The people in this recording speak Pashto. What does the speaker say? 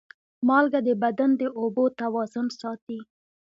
مالګه د بدن د اوبو توازن ساتي.